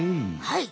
はい。